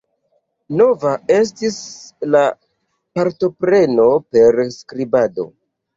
Nova estis la partopreno per skribado.